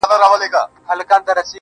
اوس له نړۍ څخه خپه يمه زه.